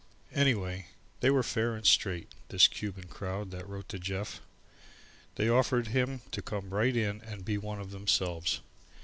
Anyway, they were fair and straight, this Cuban crowd that wrote to Jeff. They offered him to come right in and be one of themselves.